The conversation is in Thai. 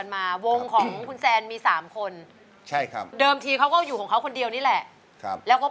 มันไม่สะดวก